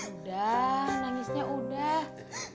udah nangisnya udah